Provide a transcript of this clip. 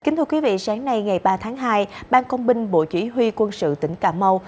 kính thưa quý vị sáng nay ngày ba tháng hai bang công binh bộ chỉ huy quân sự tỉnh cà mau